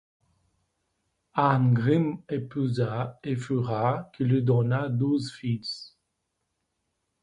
Arngrim épousa Eyfura, qui lui donna douze fils.